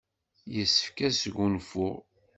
Yessefk ad sgunfuɣ.